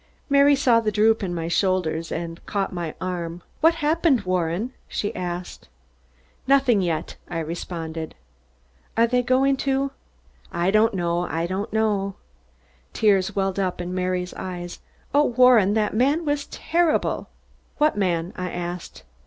Mary saw the droop in my shoulders and caught my arm. "What happened, Warren?" she asked. "Nothing yet," I responded. "Are they going to ?" "I don't know, I don't know." Tears welled up in Mary's eyes. "Oh, Warren, that man was terrible!" "What man?" I asked.